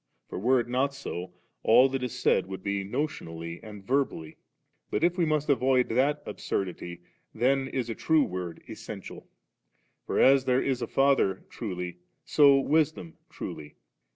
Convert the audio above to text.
For were it not so, all that is said would be said notionally' and verbally*. But if we must avoid that absurdity, then is a true Word essential For as there is a Father truly, so Wisdom truly.